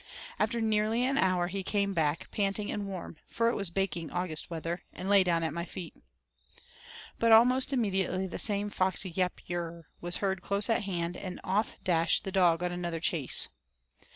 After nearly an hour he came back, panting and warm, for it was baking August weather, and lay down at my feet. But almost immediately the same foxy 'Yap yurrr' was heard close at hand and off dashed the dog on another chase.